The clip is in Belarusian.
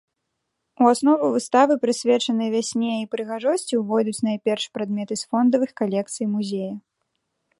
У аснову выставы, прысвечанай вясне і прыгажосці, увойдуць найперш прадметы з фондавых калекцый музея.